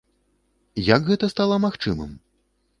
Як гэта стала магчымым?